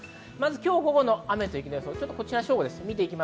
今日午後の雨と雪の予想です。